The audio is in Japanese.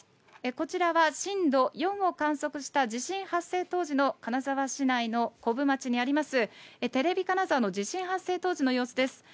こちらは震度４を観測した地震発生当時の金沢市内の古府町にあります、テレビ金沢の地震発生当時の様子です。